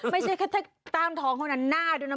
ไม่ใช่แค่กล้ามท้องเท่านั้นหน้าด้วยนะ